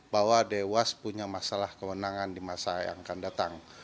bahwa dewas punya masalah kewenangan di masa yang akan datang